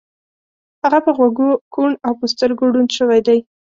هغه په غوږو کوڼ او په سترګو ړوند شوی دی